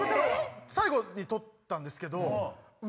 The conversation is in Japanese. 最後に撮ったんですけど。